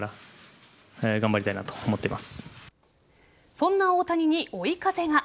そんな大谷に追い風が。